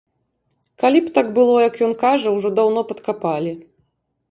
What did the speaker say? Калі б так было, як ён кажа, ужо даўно б адкапалі.